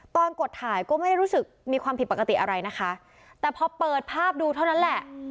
กดถ่ายก็ไม่ได้รู้สึกมีความผิดปกติอะไรนะคะแต่พอเปิดภาพดูเท่านั้นแหละ